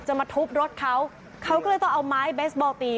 มาทุบรถเขาเขาก็เลยต้องเอาไม้เบสบอลตี